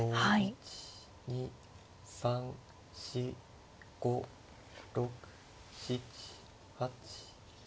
１２３４５６７８９。